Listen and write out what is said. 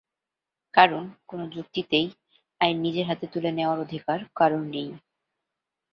কারণ, কোনো যুক্তিতেই আইন নিজের হাতে তুলে নেওয়ার অধিকার কারও নেই।